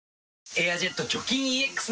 「エアジェット除菌ＥＸ」